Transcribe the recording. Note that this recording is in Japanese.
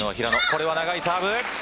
これは長いサーブ。